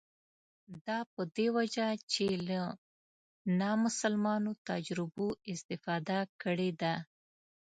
دا په دې وجه چې له نامسلمانو تجربو استفاده کړې ده.